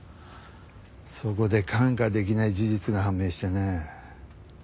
そこで看過できない事実が判明してね。